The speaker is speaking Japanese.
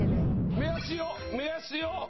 目安よ目安よ。